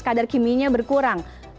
kadar kiminya berkurang